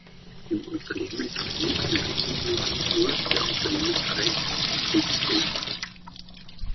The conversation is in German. Im Unternehmen verblieb im Wesentlichen nur der Unternehmensbereich kate spade.